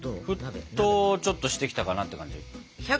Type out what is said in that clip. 沸騰ちょっとしてきたかなって感じ。